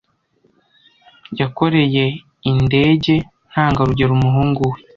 Yakoreye indege ntangarugero umuhungu we.